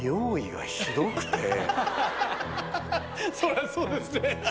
そりゃそうですね。